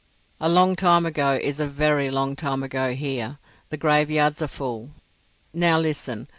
"A long time ago is a very long time ago here. The graveyards are full. Now listen.